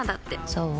そう？